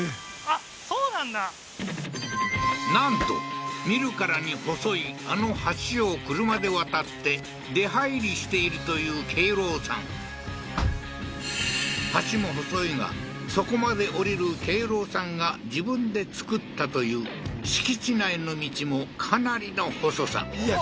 そうなんだなんと見るからに細いあの橋を車で渡って出入りしているという敬郎さん橋も細いがそこまで下りる敬郎さんが自分で造ったという敷地内の道もかなりの細さいや